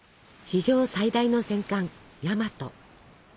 史上最大の戦艦「大和」。